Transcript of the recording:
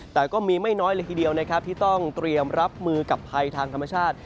แต่ก็มีไม่น้อยเลยทีเดียวนะครับที่ต้องเตรียมรับมือกับภัยทางธรรมชาติ